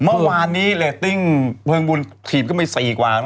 เมื่อวานนี้เรตติ้งเพลงวุลทีมก็มี๔กว่า